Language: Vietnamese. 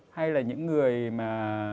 hay là những người mà